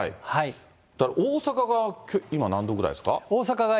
だから大阪が今、何度ぐらいですか？